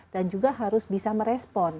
dan juga harus bisa merespon